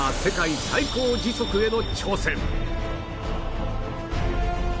世界最高時速への挑戦